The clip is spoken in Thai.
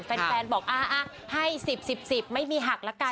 แฟนบอกให้๑๐๑๐๑๐ไม่มีหักละกัน